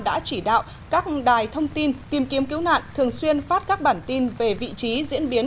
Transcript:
đã chỉ đạo các đài thông tin tìm kiếm cứu nạn thường xuyên phát các bản tin về vị trí diễn biến